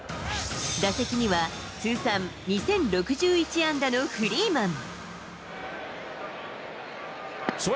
打席には、通算２０６１安打のフリーマン。